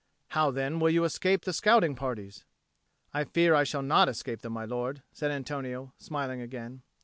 "How, then, will you escape the scouting parties?" "I fear I shall not escape them, my lord," said Antonio, smiling again.